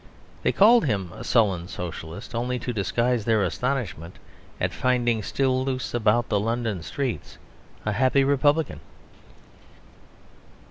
They called him a sullen Socialist only to disguise their astonishment at finding still loose about the London streets a happy republican.